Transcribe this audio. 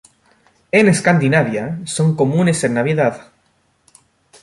En Escandinavia, son comunes en Navidad.